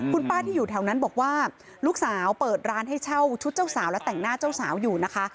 คุณป้าที่อยู่แถวนั้นบอกว่าลูกสาวเปิดร้านให้เช่าชุดเจ้าสาวและแต่งหน้าเจ้าสาวอยู่นะคะ